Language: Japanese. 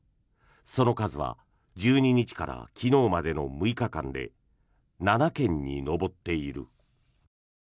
その数は１２日から昨日までの６日間で７件に上っている。